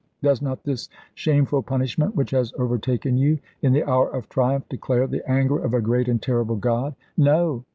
Does not this shameful punishment which has overtaken you in the hour of triumph declare the anger of a great and terrible God." "No!"